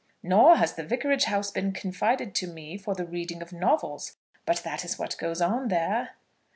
"Nor has the vicarage house been confided to me for the reading of novels; but that is what goes on there."